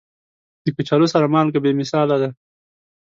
د کچالو سره مالګه بې مثاله ده.